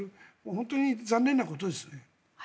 本当に残念なことですね。